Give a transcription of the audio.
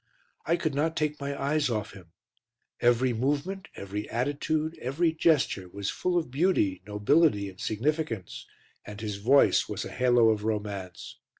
I could not take my eyes off him; every movement, every attitude, every gesture was full of beauty, nobility and significance, and his voice was a halo of romance.